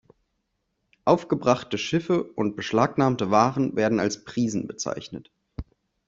Aufgebrachte Schiffe und beschlagnahmte Waren werden als Prisen bezeichnet.